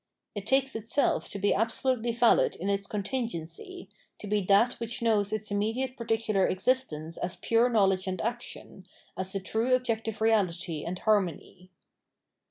642 Conscience 643 It takes itself to be absolutely valid in its contingency, to be that which Icnows its immediate particular existence as pure knowledge and action, as the true objective reality and harmony.